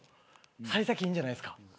幸先いいんじゃないですか。